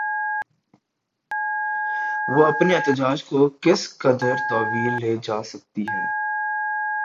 وہ اپنے احتجاج کو کس قدر طویل لے جا سکتی ہے؟